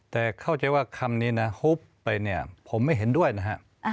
แต่เข้าใจว่าคำนี้นะฮุบไปเนี่ยผมไม่เห็นด้วยนะฮะ